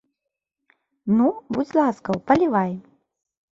Ну, будзь ласкаў, палівай.